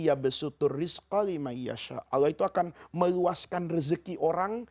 allah itu akan meluaskan rezeki orang